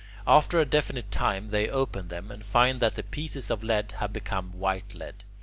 After a definite time they open them, and find that the pieces of lead have become white lead.